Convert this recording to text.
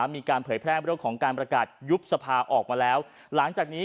เผยแพร่เรื่องของการประกาศยุบสภาออกมาแล้วหลังจากนี้